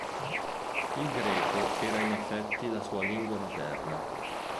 Il greco era in effetti la sua lingua materna.